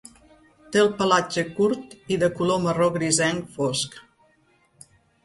Té el pelatge curt i de color marró grisenc fosc.